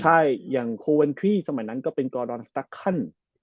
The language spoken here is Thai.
ใช่อย่างโคเวนคลี่สมัยนั้นก็เป็นกอดอนสตั๊กคัน